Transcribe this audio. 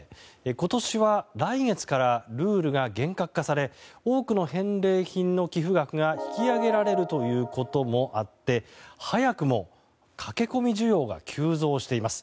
今年は、来月からルールが厳格化され多くの返礼品の寄付額が引き上げられるということもあって早くも駆け込み需要が急増しています。